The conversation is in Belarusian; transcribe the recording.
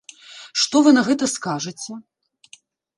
Што вы на гэта скажаце?